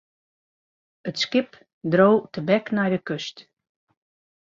It skip dreau tebek nei de kust.